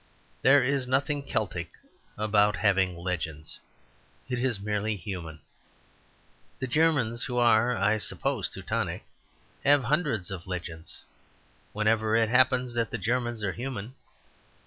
There is nothing Celtic about having legends. It is merely human. The Germans, who are (I suppose) Teutonic, have hundreds of legends, wherever it happens that the Germans are human.